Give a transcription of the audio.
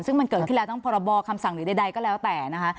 ซึ่งมันเกิดขึ้นแล้วทั้งพรบคำสั่งหรือใดก็แล้วแต่นะคะ